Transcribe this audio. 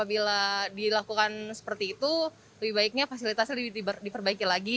bila dilakukan seperti itu lebih baiknya fasilitasnya diperbaiki lagi